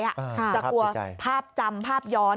กลัวภาพจำภาพย้อน